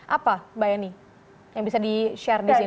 apa mbak eni yang bisa di share di sini